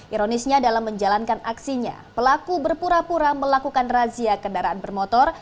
ironisnya dalam menjalankan aksinya pelaku berpura pura melakukan razia kendaraan bermotor